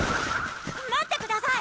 待ってください！